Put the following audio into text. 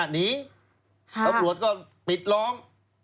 หนีตำรวจก็ปิดล้อม